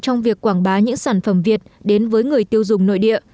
trong việc quảng bá những sản phẩm việt đến với người tiêu dùng nội địa